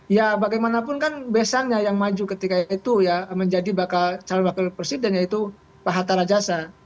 ya bagaimanapun kan besannya yang maju ketika itu ya menjadi bakal calon wakil presiden yaitu pak hatta rajasa